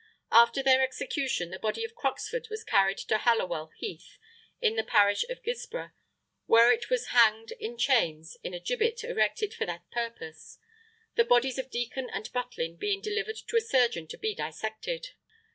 After their execution the body of Croxford was carried to Hollowell Heath, in the parish of Guilsborough, where it was hanged in chains on a gibbet erected for that purpose, the bodies of Deacon and Butlin being delivered to a surgeon to be dissected.